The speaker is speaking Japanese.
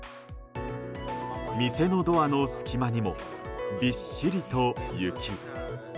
店のドアの隙間にもびっしりと雪。